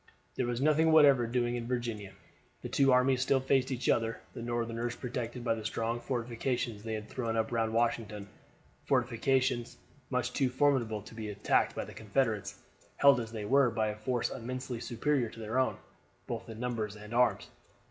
There was nothing whatever doing in Virginia. The two armies still faced each other, the Northerners protected by the strong fortifications they had thrown up round Washington fortifications much too formidable to be attacked by the Confederates, held as they were by a force immensely superior to their own, both in numbers and arms.